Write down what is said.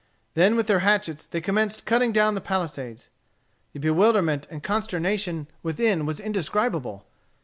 Then with their hatchets they commenced cutting down the palisades. The bewilderment and consternation within was indescribable.